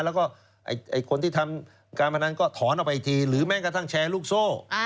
แล้วก็คนที่ทำการพนันก็ถอนออกไปอีกทีหรือแม้กระทั่งแชร์ลูกโซ่